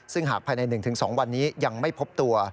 ซึ่งหากภายใน๑๒วันนี้ยังไม่พบตัว